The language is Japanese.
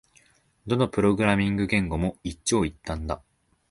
どのプログラミング言語も一長一短だ